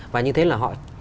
và như thế là họ